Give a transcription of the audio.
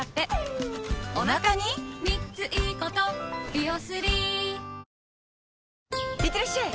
「ビオレ」いってらっしゃい！